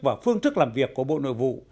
và phương thức làm việc của bộ nội vụ